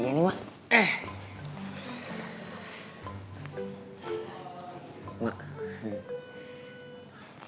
legos dulu ayo kita berabah